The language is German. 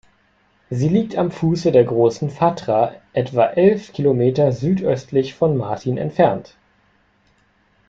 Sie liegt am Fuße der Großen Fatra etwa elf Kilometer südöstlich von Martin entfernt.